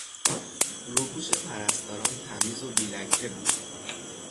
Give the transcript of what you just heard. روپوش پرستاران تمیز و بیلکه بود.